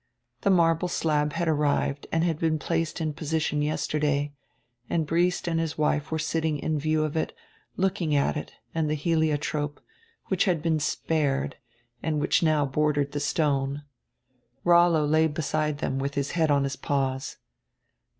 The marble slab had arrived and been placed in position yesterday, and Briest and his wife were sitting in view or it, looking at it and the heliotrope, which had been spared, and which now bordered the stone. Rollo lay beside them with his head on his paws.